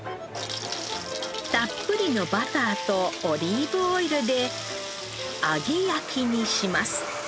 たっぷりのバターとオリーブオイルで揚げ焼きにします。